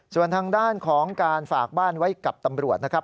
ส่วนทางด้านของการฝากบ้านไว้กับตำรวจนะครับ